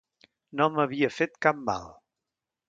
No m'havia fet cap mal.